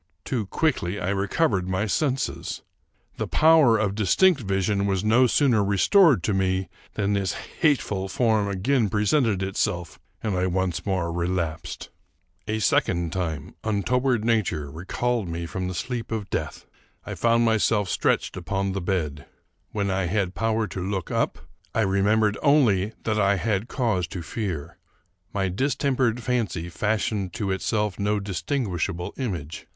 Too quickly I recovered my senses. The power of distinct vision was no sooner restored to me, than this hateful form again presented itself, and I once more relapsed. A second time, untoward nature recalled me from the sleep of death, I found myself stretched upon the bed. 282 Charles Brockden Brown When I had power to look up, I remembered only that I had cause to fear. My distempered fancy fashioned to itself no distinguishable image.